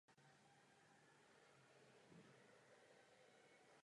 Mladá pletiva jich obsahují větší množství než pletiva zralá.